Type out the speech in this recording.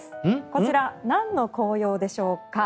こちら、なんの紅葉でしょうか。